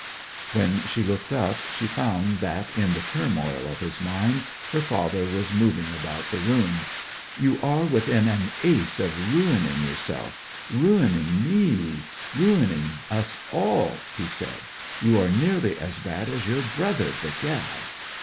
When she looked up she found that, in the turmoil of his mind, her father was moving about the room. 'You are within an ace of ruining yourself, ruining me, ruining us all!' he said. 'You are nearly as bad as your brother, begad!'